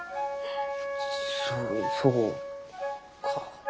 そそうか。